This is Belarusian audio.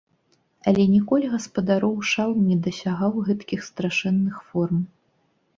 Але ніколі гаспадароў шал не дасягаў гэткіх страшэнных форм.